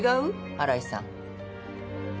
新井さん。